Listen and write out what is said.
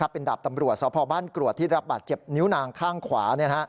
เป็นดาบตำรวจสพบ้านกรวดที่รับบาดเจ็บนิ้วนางข้างขวา